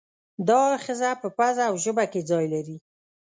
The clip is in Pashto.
دا آخذه په پزه او ژبه کې ځای لري.